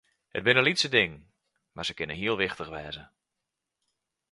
It binne lytse dingen, mar se kinne heel wichtich wêze.